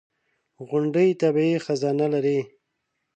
• غونډۍ طبیعي خزانه لري.